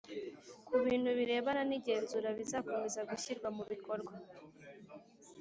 ku bintu birebana nigenzura bizakomeza gushyirwa mu bikorwa